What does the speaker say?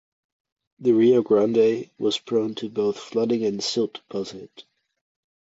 The Rio Grande was prone to both flooding and silt deposit.